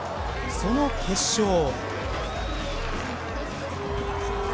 その決勝。